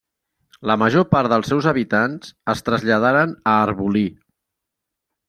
La major part dels seus habitants es traslladaren a Arbolí.